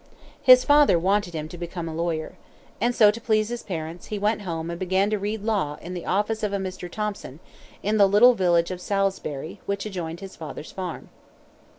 His father wanted him to become a lawyer. And so, to please his parents, he went home and began to read law in the office of a Mr. Thompson, in the little village of Salisbury, which adjoined his father's farm.